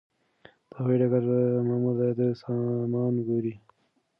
د هوايي ډګر مامور د ده سامان ګوري.